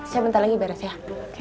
saya bentar lagi beres ya